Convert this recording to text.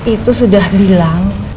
itu sudah bilang